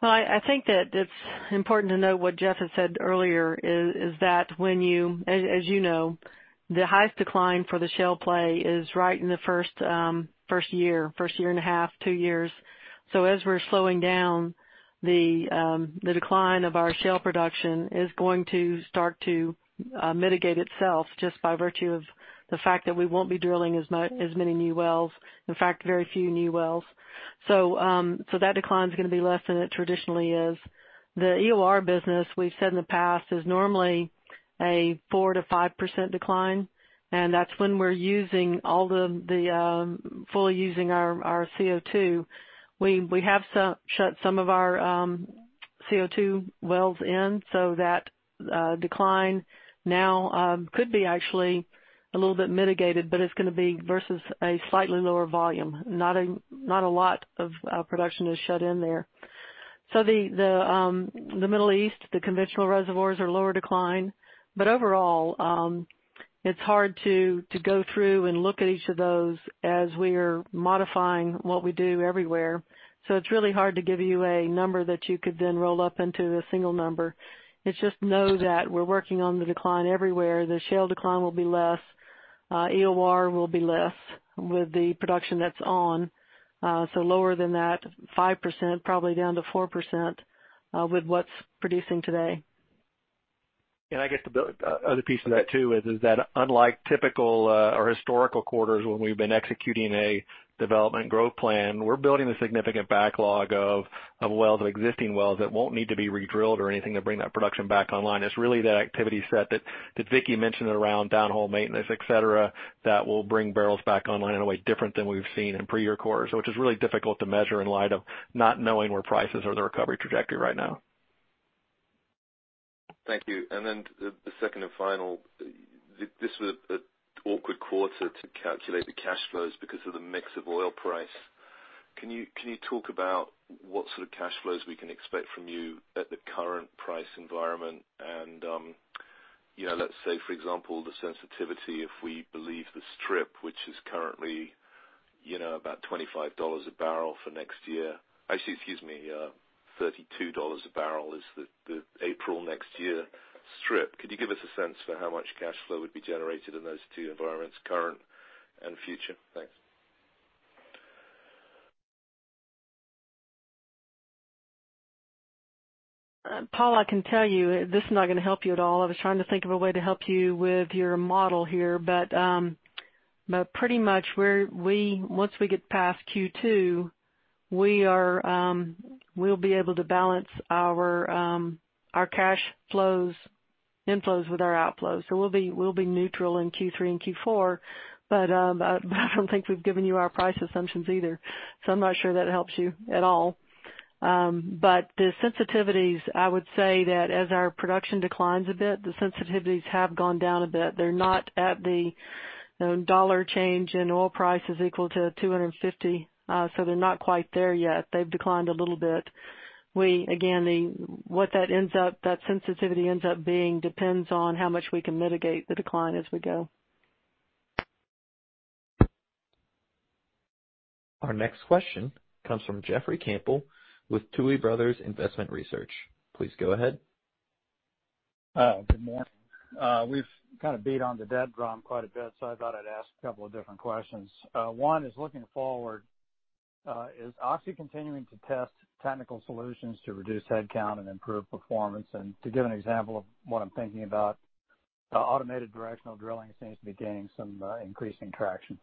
Well, I think that it's important to know what Jeff had said earlier, is that when you, as you know, the highest decline for the shale play is right in the first year, 1.5 years, Two years. As we're slowing down, the decline of our shale production is going to start to mitigate itself just by virtue of the fact that we won't be drilling as many new wells. In fact, very few new wells. That decline is going to be less than it traditionally is. The EOR business, we've said in the past, is normally a 4%-5% decline, and that's when we're fully using our CO2. We have shut some of our CO2 wells in, so that decline now could be actually a little bit mitigated, but it's going to be versus a slightly lower volume. Not a lot of production is shut in there. The Middle East, the conventional reservoirs are lower decline. Overall, it's hard to go through and look at each of those as we are modifying what we do everywhere. It's really hard to give you a number that you could then roll up into a single number. It's just know that we're working on the decline everywhere. The shale decline will be less. EOR will be less with the production that's on, so lower than that 5%, probably down to 4% with what's producing today. I guess the other piece of that too is that unlike typical or historical quarters when we've been executing a development growth plan, we're building a significant backlog of existing wells that won't need to be redrilled or anything to bring that production back online. It's really that activity set that Vicki mentioned around downhole maintenance, et cetera, that will bring barrels back online in a way different than we've seen in prior quarters, which is really difficult to measure in light of not knowing where prices or the recovery trajectory right now. Thank you. Then the second and final, this was an awkward quarter to calculate the cash flows because of the mix of oil price. Can you talk about what sort of cash flows we can expect from you at the current price environment? Let's say, for example, the sensitivity, if we believe the strip, which is currently about $25 a barrel for next year. Actually, excuse me, $32 a barrel is the April next year strip. Could you give us a sense for how much cash flow would be generated in those two environments, current and future? Thanks. Paul, I can tell you this is not going to help you at all. I was trying to think of a way to help you with your model here, pretty much, once we get past Q2, we'll be able to balance our cash flows inflows with our outflows. We'll be neutral in Q3 and Q4. I don't think we've given you our price assumptions either, so I'm not sure that helps you at all. The sensitivities, I would say that as our production declines a bit, the sensitivities have gone down a bit. They're not at the[$1] change in oil prices equal to [$250], so they're not quite there yet. They've declined a little bit. Again, what that sensitivity ends up being depends on how much we can mitigate the decline as we go. Our next question comes from Jeffrey Campbell with Tuohy Brothers Investment Research. Please go ahead. Good morning. We've kind of beat on the dead drum quite a bit, so I thought I'd ask a couple of different questions. One is looking forward. Is Oxy continuing to test technical solutions to reduce headcount and improve performance? To give an example of what I'm thinking about, automated directional drilling seems to be gaining some increasing traction.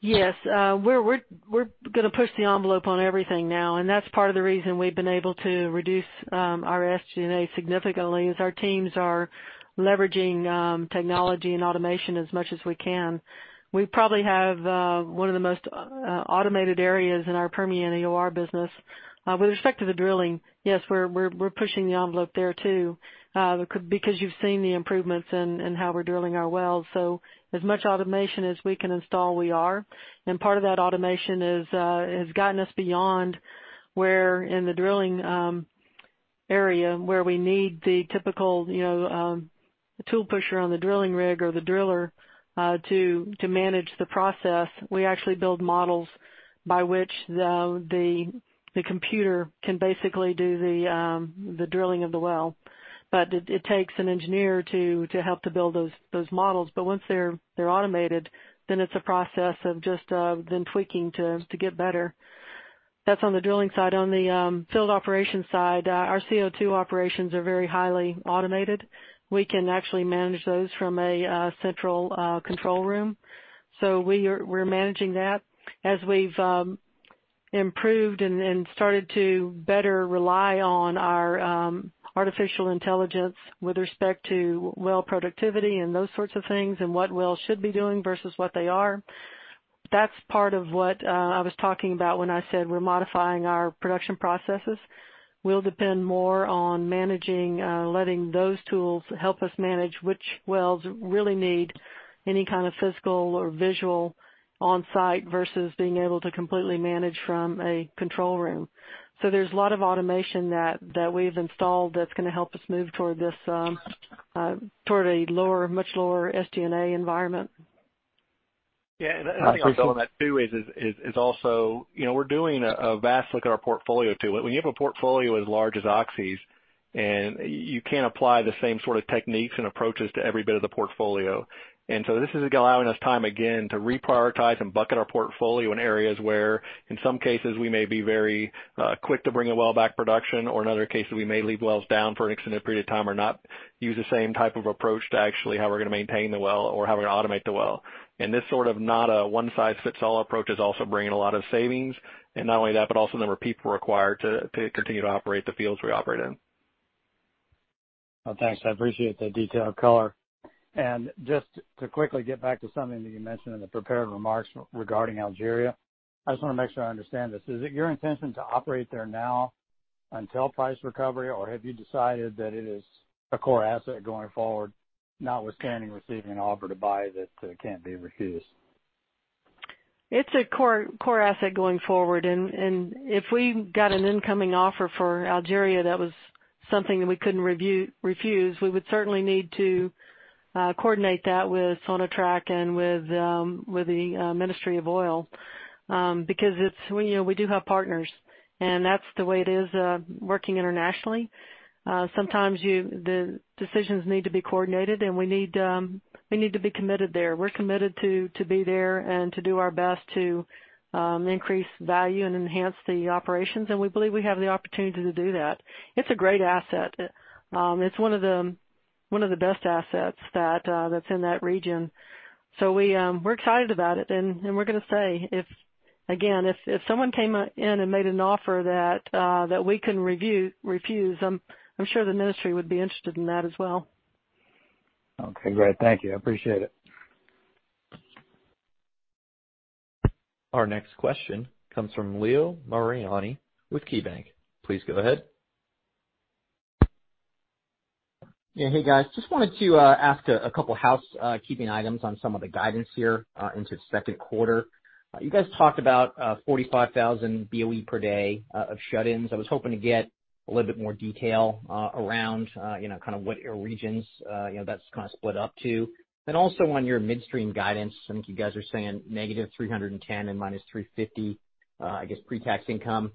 Yes. We're going to push the envelope on everything now, and that's part of the reason we've been able to reduce our SG&A significantly, is our teams are leveraging technology and automation as much as we can. We probably have one of the most automated areas in our Permian EOR business. With respect to the drilling, yes, we're pushing the envelope there, too, because you've seen the improvements in how we're drilling our wells. As much automation as we can install, we are. Part of that automation has gotten us beyond where in the drilling area where we need the typical tool pusher on the drilling rig or the driller to manage the process. We actually build models by which the computer can basically do the drilling of the well. It takes an engineer to help to build those models. Once they're automated, then it's a process of just then tweaking to get better. That's on the drilling side. On the field operations side, our CO2 operations are very highly automated. We can actually manage those from a central control room. We're managing that as we've improved and started to better rely on our artificial intelligence with respect to well productivity and those sorts of things, and what wells should be doing versus what they are. That's part of what I was talking about when I said we're modifying our production processes. We'll depend more on managing, letting those tools help us manage which wells really need any kind of physical or visual on-site versus being able to completely manage from a control room. There's a lot of automation that we've installed that's going to help us move toward a much lower SG&A environment. Yeah. I think on that, too, is also we're doing a vast look at our portfolio, too. When you have a portfolio as large as Oxy's, and you can't apply the same sort of techniques and approaches to every bit of the portfolio. This is allowing us time, again, to reprioritize and bucket our portfolio in areas where, in some cases, we may be very quick to bring a well back production, or in other cases, we may leave wells down for an extended period of time or not use the same type of approach to actually how we're going to maintain the well or how we're going to automate the well. This sort of not a one-size-fits-all approach is also bringing a lot of savings. Not only that, but also the number of people required to continue to operate the fields we operate in. Well, thanks. I appreciate the detailed color. Just to quickly get back to something that you mentioned in the prepared remarks regarding Algeria. I just want to make sure I understand this. Is it your intention to operate there now until price recovery? Or have you decided that it is a core asset going forward, notwithstanding receiving an offer to buy that can't be refused? It's a core asset going forward. If we got an incoming offer for Algeria that was something that we couldn't refuse, we would certainly need to coordinate that with Sonatrach and with the Ministry of Oil, because we do have partners. That's the way it is working internationally. Sometimes the decisions need to be coordinated, and we need to be committed there. We're committed to be there and to do our best to increase value and enhance the operations, and we believe we have the opportunity to do that. It's a great asset. It's one of the best assets that's in that region. We're excited about it, and we're going to say, again, if someone came in and made an offer that we couldn't refuse, I'm sure the Ministry would be interested in that as well. Okay, great. Thank you. I appreciate it. Our next question comes from Leo Mariani with KeyBanc. Please go ahead. Hey, guys. Just wanted to ask a couple housekeeping items on some of the guidance here into the second quarter. You guys talked about 45,000 BOE per day of shut-ins. I was hoping to get a little bit more detail around what regions that's split up to. Also on your midstream guidance, I think you guys are saying -$310 million and -$350 million, I guess pre-tax income.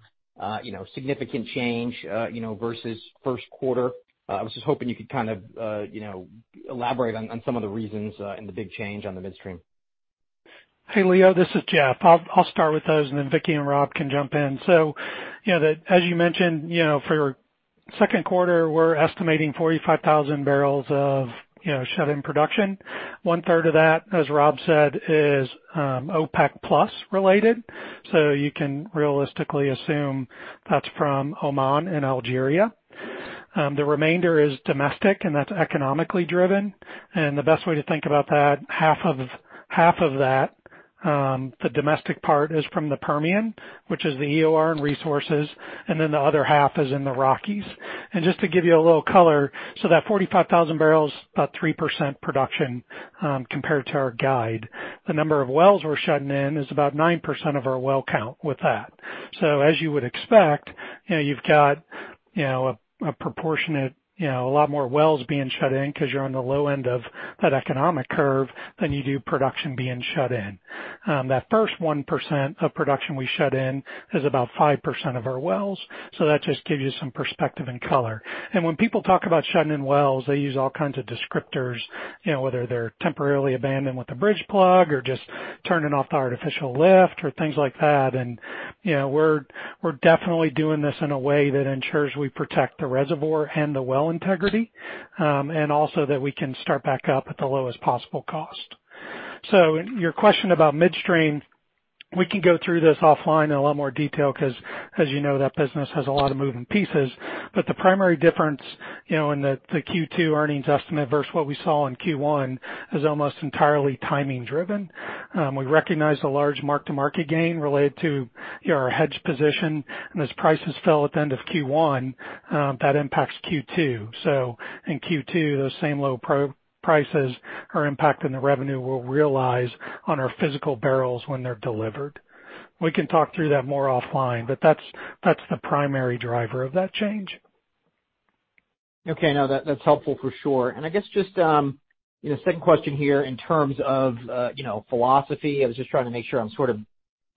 Significant change versus first quarter. I was just hoping you could elaborate on some of the reasons in the big change on the midstream. Hey, Leo, this is Jeff. I'll start with those, and then Vicki and Rob can jump in. As you mentioned, for second quarter, we're estimating 45,000 barrels of shut-in production. 1/3 of that, as Rob said, is OPEC Plus related. You can realistically assume that's from Oman and Algeria. The remainder is domestic, and that's economically driven. The best way to think about that, half of that, the domestic part is from the Permian, which is the EOR and resources, and then the other half is in the Rockies. Just to give you a little color, that 45,000 barrels, about 3% production compared to our guide. The number of wells we're shutting in is about 9% of our well count with that. As you would expect, you've got a lot more wells being shut in because you're on the low end of that economic curve than you do production being shut in. That first 1% of production we shut in is about 5% of our wells. That just gives you some perspective and color. When people talk about shutting in wells, they use all kinds of descriptors, whether they're temporarily abandoned with a bridge plug or just turning off the artificial lift or things like that. We're definitely doing this in a way that ensures we protect the reservoir and the well integrity, and also that we can start back up at the lowest possible cost. Your question about midstream, we can go through this offline in a lot more detail because as you know, that business has a lot of moving pieces. The primary difference in the Q2 earnings estimate versus what we saw in Q1 is almost entirely timing driven. We recognize the large mark-to-market gain related to our hedge position, and as prices fell at the end of Q1, that impacts Q2. In Q2, those same low prices are impacting the revenue we'll realize on our physical barrels when they're delivered. We can talk through that more offline, but that's the primary driver of that change. Okay. No, that's helpful for sure. I guess just second question here in terms of philosophy, I was just trying to make sure I'm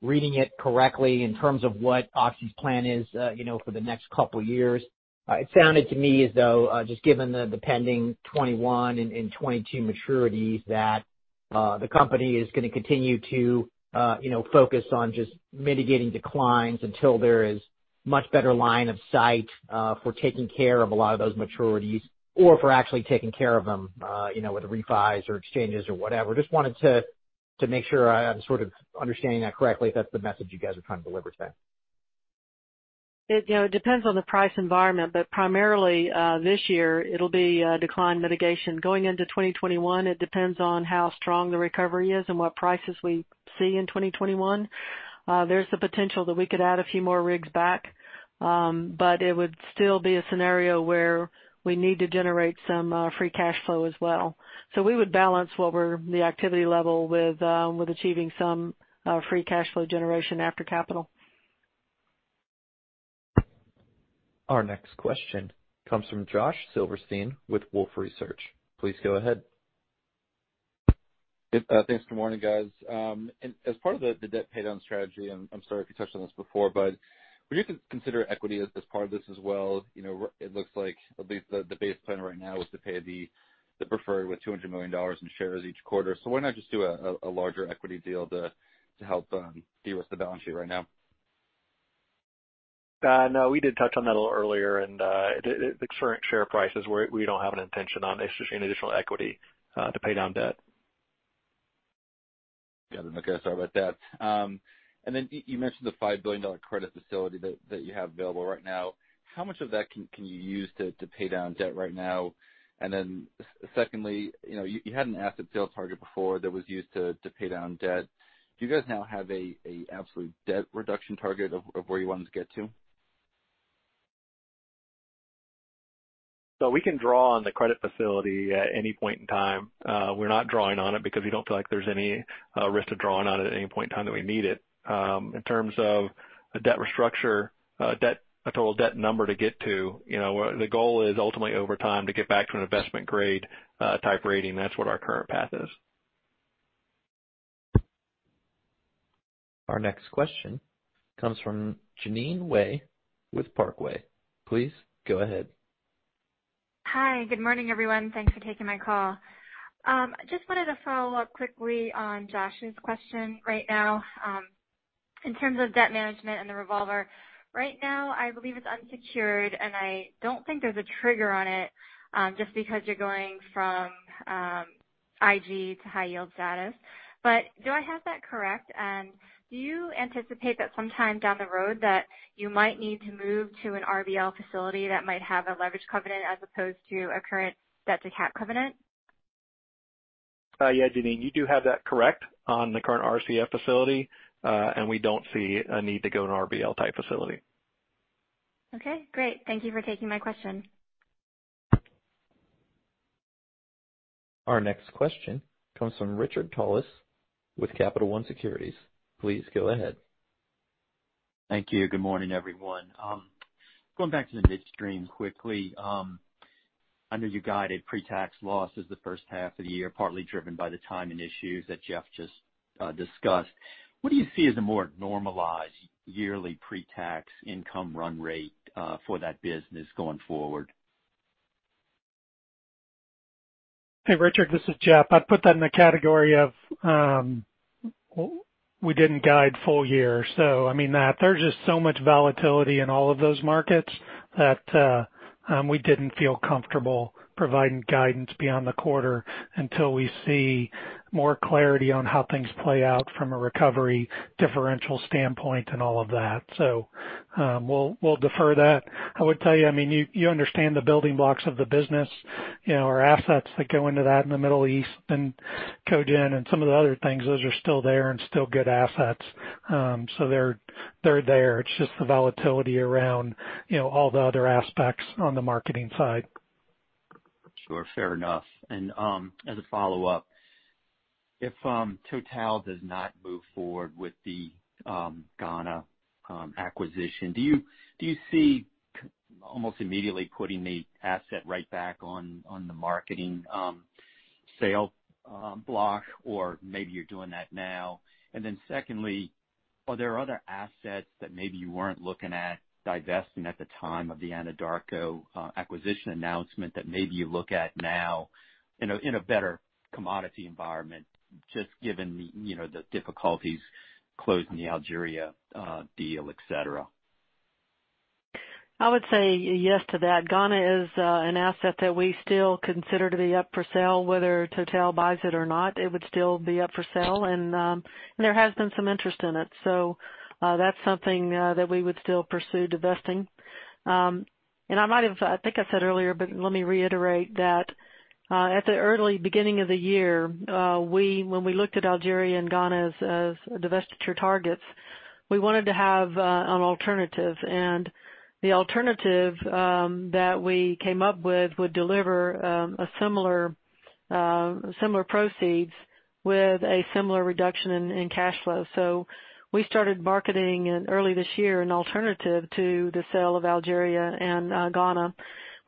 reading it correctly in terms of what Oxy's plan is for the next couple of years. It sounded to me as though, just given the pending 2021 and 2022 maturities, that the company is going to continue to focus on just mitigating declines until there is much better line of sight for taking care of a lot of those maturities or for actually taking care of them with refis or exchanges or whatever. Just wanted to make sure I'm understanding that correctly, if that's the message you guys are trying to deliver today. It depends on the price environment, but primarily, this year, it'll be decline mitigation. Going into 2021, it depends on how strong the recovery is and what prices we see in 2021. There's the potential that we could add a few more rigs back, but it would still be a scenario where we need to generate some free cash flow as well. We would balance what were the activity level with achieving some free cash flow generation after capital. Our next question comes from Josh Silverstein with Wolfe Research. Please go ahead. Thanks. Good morning, guys. As part of the debt pay down strategy, I'm sorry if you touched on this before, but would you consider equity as part of this as well? It looks like at least the base plan right now is to pay the preferred with $200 million in shares each quarter. Why not just do a larger equity deal to help de-risk the balance sheet right now? No, we did touch on that a little earlier, and at the current share prices, we don't have an intention on issuing additional equity to pay down debt. Got it. Okay, sorry about that. Then you mentioned the $5 billion credit facility that you have available right now. How much of that can you use to pay down debt right now? Then secondly, you had an asset sale target before that was used to pay down debt. Do you guys now have an absolute debt reduction target of where you wanted to get to? We can draw on the credit facility at any point in time. We're not drawing on it because we don't feel like there's any risk of drawing on it at any point in time that we need it. In terms of a debt restructure, a total debt number to get to, the goal is ultimately over time to get back to an Investment Grade type rating. That's what our current path is. Our next question comes from Jeanine Wai with Barclays. Please go ahead. Hi. Good morning, everyone. Thanks for taking my call. Just wanted to follow up quickly on Josh's question right now. In terms of debt management and the revolver. Right now, I believe it's unsecured, and I don't think there's a trigger on it, just because you're going from IG to high yield status. Do I have that correct? Do you anticipate that sometime down the road that you might need to move to an RBL facility that might have a leverage covenant as opposed to a current debt to cap covenant? Yeah, Jeanine, you do have that correct on the current RCF facility. We don't see a need to go an RBL type facility. Okay, great. Thank you for taking my question. Our next question comes from Richard Tullis with Capital One Securities. Please go ahead. Thank you. Good morning, everyone. Going back to the midstream quickly. I know you guided pre-tax loss as the first half of the year, partly driven by the timing issues that Jeff just discussed. What do you see as a more normalized yearly pre-tax income run rate for that business going forward? Hey, Richard, this is Jeff. I'd put that in the category of, we didn't guide full year. I mean, there's just so much volatility in all of those markets that we didn't feel comfortable providing guidance beyond the quarter until we see more clarity on how things play out from a recovery differential standpoint and all of that. We'll defer that. I would tell you understand the building blocks of the business, our assets that go into that in the Middle East and cogen and some of the other things, those are still there and still good assets. They're there. It's just the volatility around all the other aspects on the marketing side. Sure. Fair enough. As a follow-up, if Total does not move forward with the Ghana acquisition, do you see almost immediately putting the asset right back on the marketing sale block? Maybe you're doing that now. Secondly, are there other assets that maybe you weren't looking at divesting at the time of the Anadarko acquisition announcement that maybe you look at now in a better commodity environment, just given the difficulties closing the Algeria deal, et cetera? I would say yes to that. Ghana is an asset that we still consider to be up for sale. Whether Total buys it or not, it would still be up for sale. There has been some interest in it. That's something that we would still pursue divesting. I think I said earlier, but let me reiterate that, at the early beginning of the year, when we looked at Algeria and Ghana as divestiture targets, we wanted to have an alternative. The alternative that we came up with would deliver a similar proceeds with a similar reduction in cash flow. We started marketing early this year an alternative to the sale of Algeria and Ghana.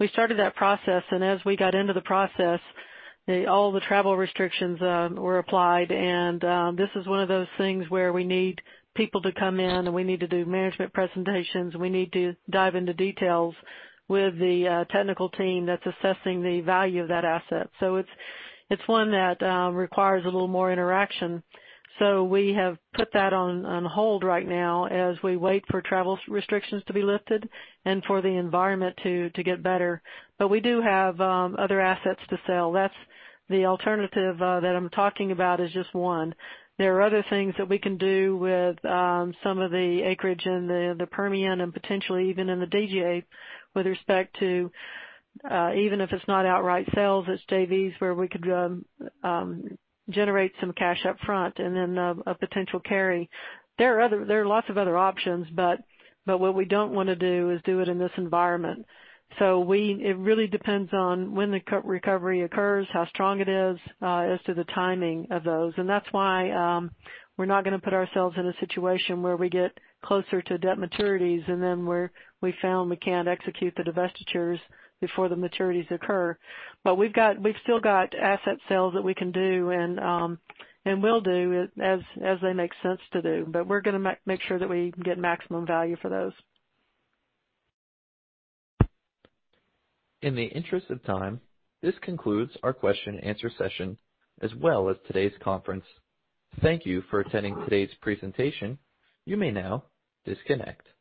We started that process, and as we got into the process, all the travel restrictions were applied. This is one of those things where we need people to come in, and we need to do management presentations. We need to dive into details with the technical team that's assessing the value of that asset. It's one that requires a little more interaction. We have put that on hold right now as we wait for travel restrictions to be lifted and for the environment to get better. We do have other assets to sell. The alternative that I'm talking about is just one. There are other things that we can do with some of the acreage in the Permian and potentially even in the DJ with respect to, even if it's not outright sales, it's JVs where we could generate some cash up front and then a potential carry. There are lots of other options, but what we don't want to do is do it in this environment. It really depends on when the recovery occurs, how strong it is, as to the timing of those. That's why we're not going to put ourselves in a situation where we get closer to debt maturities, and then we found we can't execute the divestitures before the maturities occur. We've still got asset sales that we can do and will do as they make sense to do. We're going to make sure that we get maximum value for those. In the interest of time, this concludes our question-and-answer session as well as today's conference. Thank you for attending today's presentation. You may now disconnect.